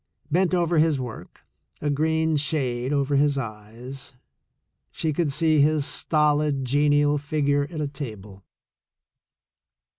Bent over his work, a green shade over his eyes, she could see his stolid, genial figure at a table.